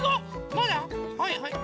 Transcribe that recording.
まだはいはい。